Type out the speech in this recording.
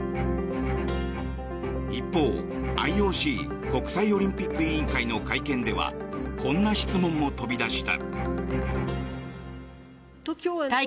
一方、ＩＯＣ・国際オリンピック委員会の会見ではこんな質問も飛び出した。